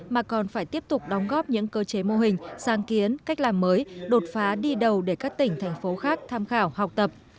mà còn phải tiếp tục đóng góp những cơ chế mô hình sáng kiến cách làm mới đột phá đi đầu để các tỉnh thành phố khác tham khảo học tập